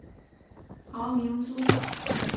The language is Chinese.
唐明宗